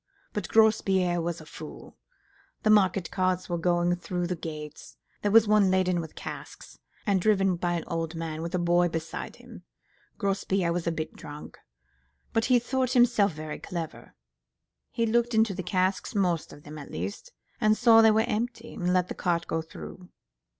But Grospierre was a fool. The market carts were going through the gates; there was one laden with casks, and driven by an old man, with a boy beside him. Grospierre was a bit drunk, but he thought himself very clever; he looked into the casks—most of them, at least—and saw they were empty, and let the cart go through."